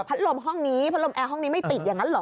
ลมห้องนี้พัดลมแอร์ห้องนี้ไม่ติดอย่างนั้นเหรอ